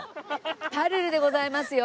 ぱるるでございますよ。